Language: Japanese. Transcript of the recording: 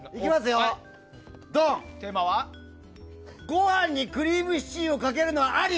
ご飯にクリームシチューをかけるのはあり？